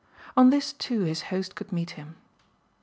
On this too his host could meet him.